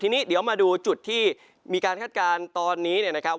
ทีนี้เดี๋ยวมาดูจุดที่มีการคาดการณ์ตอนนี้เนี่ยนะครับ